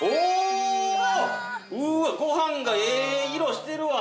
うわぁ、ごはんがええ色してるわ。